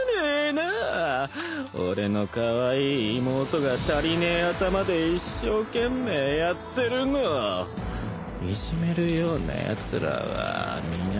俺のカワイイ妹が足りねえ頭で一生懸命やってるのをいじめるようなやつらは皆殺しだ。